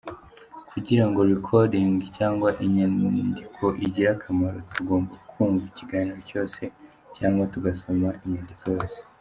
Kugirango recording cyangwa inyandiko igire akamaro, tugomba kumva ikiganiro cyose, cyangwa tugasoma inyandiko yose.